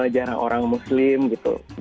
jarang orang muslim gitu